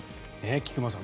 菊間さん